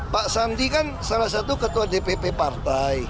pak sandi kan salah satu ketua dpp partai